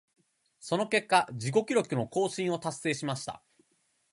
その結果、自己記録の更新を達成しました。